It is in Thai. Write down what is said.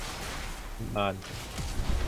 นิมมาน